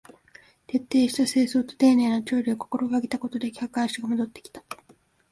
徹底した清掃と丁寧な調理を心がけたことで客足が戻ってきた